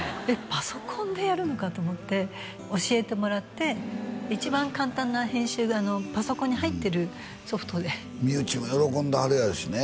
パソコンでやるのかと思って教えてもらって一番簡単な編集パソコンに入ってるソフトで身内も喜んではるやろうしね